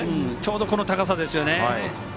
この高さですよね。